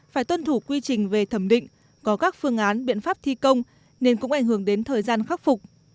phải tuân thủ quy trình về thẩm định có các phương án biện pháp thi công nên cũng ảnh hưởng đến thời gian khắc phục